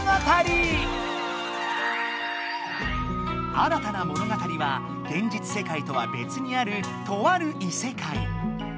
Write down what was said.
新たな物語は現実世界とはべつにあるとある異世界。